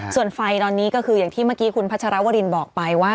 ส่วนไฟตอนนี้ก็คืออย่างที่เมื่อกี้คุณพัชรวรินบอกไปว่า